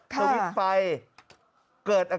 สวิตช์ไฟ